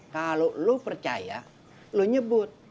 kalo lu percaya lu nyebut